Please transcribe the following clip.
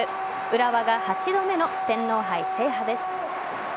浦和が８度目の天皇杯制覇です。